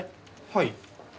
はい。